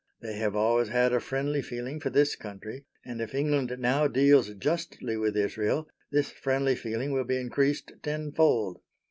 They have always had a friendly feeling for this country, and if England now deals justly with Israel, this friendly feeling will be increased tenfold.